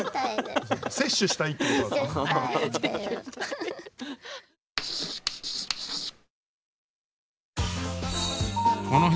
摂取したいってこと？